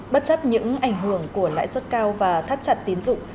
bất chấp những ảnh hưởng của lãi suất cao và thắt chặt tiến dụng